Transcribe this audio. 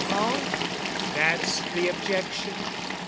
Oh, that's the objection?